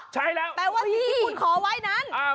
ใช่แล้วแปลว่าที่คุณขอไว้นั้น